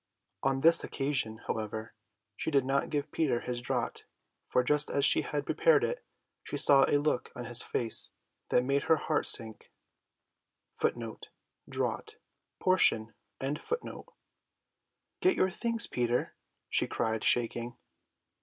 On this occasion, however, she did not give Peter his draught, for just as she had prepared it, she saw a look on his face that made her heart sink. "Get your things, Peter," she cried, shaking.